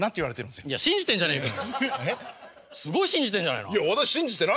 すごい信じてんじゃないのあなた。